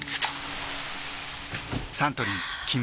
サントリー「金麦」